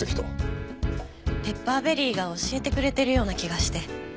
ペッパーベリーが教えてくれてるような気がして。